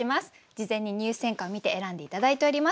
事前に入選歌を見て選んで頂いております。